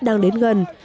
đang đến gần